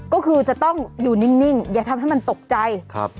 ก็คือจะต้องอยู่นิ่งอย่าทำให้มันตกใจครับ